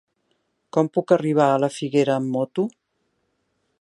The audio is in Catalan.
Com puc arribar a la Figuera amb moto?